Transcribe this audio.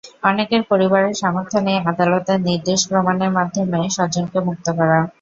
অনেকের পরিবারের সামর্থ্য নেই আদালতে নির্দোষ প্রমাণের মাধ্যমে স্বজনকে মুক্ত করা।